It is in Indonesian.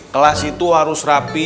kelas itu harus rapi